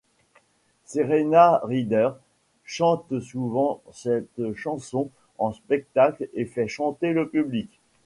Serena Ryder chante souvent cette chanson en spectacle et fait chanter le public.